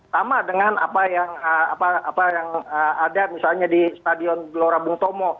sama dengan apa yang ada misalnya di stadion gelora bung tomo